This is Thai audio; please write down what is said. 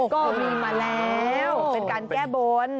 ก็มีมาแล้วเป็นการแก้บน